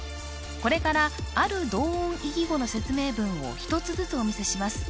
これからある同音異義語の説明文を１つずつお見せします